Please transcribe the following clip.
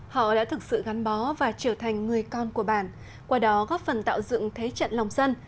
họ đã thực sự gắn bó và trở thành người con của bản qua đó góp phần tạo dựng thế trận lòng dân